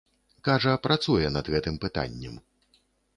Кажа, працуе над гэтым пытаннем.